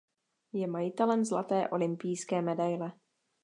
Je majitelem zlaté olympijské medaile.